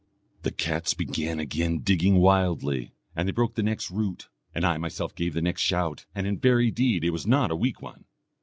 The cats began again digging wildly, and they broke the next root; and I myself gave the next shout, and in very deed it was not a weak one.